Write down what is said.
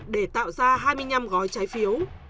để tạo ra hai mươi năm gói trái phiếu